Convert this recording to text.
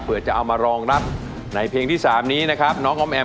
ไม่ใช้งั้นคุณสุด